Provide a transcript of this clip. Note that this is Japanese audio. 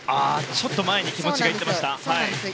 ちょっと前に気持ちが行ってましたね。